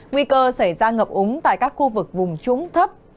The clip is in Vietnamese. nguy cơ xảy ra ngập úng tại các khu vực vùng trũng thấp